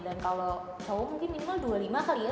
kalau cowok mungkin minimal dua puluh lima kali ya